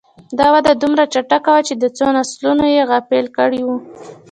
دا وده دومره چټکه وه چې څو نسلونه یې غافل کړي وو.